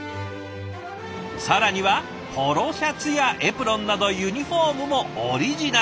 更にはポロシャツやエプロンなどユニフォームもオリジナルで。